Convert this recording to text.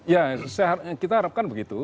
ya kita harapkan begitu